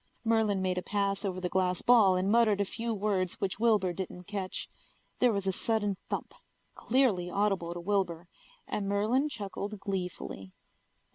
Merlin made a pass over the glass ball and muttered a few words which Wilbur didn't catch. There was a sudden thump, clearly audible to Wilbur, and Merlin chuckled gleefully.